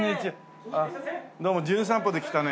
どうも『じゅん散歩』で来たね